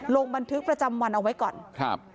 ลงบันทึกประจำวันเอาไว้ก่อนครับ